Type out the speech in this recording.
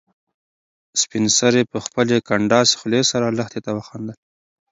سپین سرې په خپلې کنډاسې خولې سره لښتې ته وخندل.